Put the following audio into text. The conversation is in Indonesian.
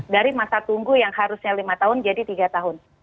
dari masa tunggu yang harusnya lima tahun jadi tiga tahun